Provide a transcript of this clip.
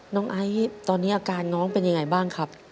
ไอซ์ตอนนี้อาการน้องเป็นยังไงบ้างครับ